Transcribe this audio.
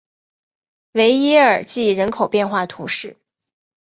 维耶尔济人口变化图示